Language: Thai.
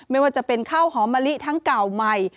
ไม่ว่าจะเป็นข้าวหอมมะลิทั้งเก่าใหม่